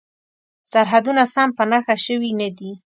سرحدونه سم په نښه شوي نه دي.